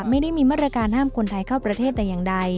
ไม่ได้มีมาตรการห้ามคนไทยเข้าประเทศแต่อย่างใด